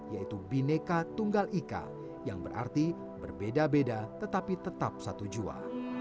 yaitu bineka tunggal ika yang berarti berbeda beda tetapi tetap satu jua